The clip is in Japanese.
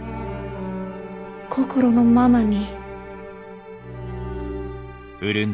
心のままに。